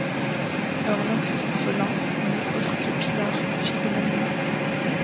Or l'un de ces orphelins n'est autre que Pilar, fille de Manuela.